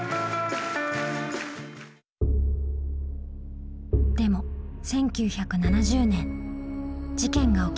でも１９７０年事件が起きました。